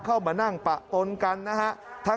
เข้ามานั่งปะปนกันนะฮะ